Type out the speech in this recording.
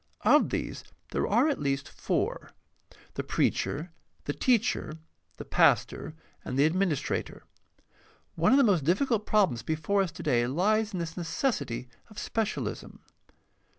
Of these there are at least four: the preacher, the teacher, the pastor, and the administrator. One of the most difficult problems before us today lies in this necessity of specialism.